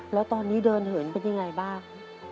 แล้วตอนนี้เดินเหินเป็นยังไงบ้าง